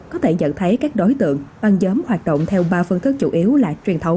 có thể nhận thấy các đối tượng băng giấm hoạt động theo ba phương thức chủ yếu là